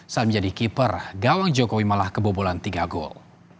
saat menjadi keeper gawang jokowi malah kebobolan tiga gol